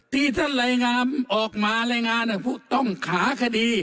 ที่ท่านรายงานออกมารายงานผู้ต้องขาคดี